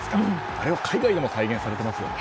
あれを海外でも体現されていますよね。